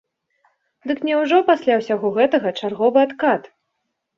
Дык няўжо пасля ўсяго гэтага чарговы адкат?